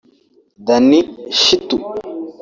Danny Shitu